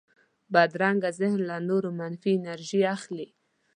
بدرنګه ذهن له نورو منفي انرژي اخلي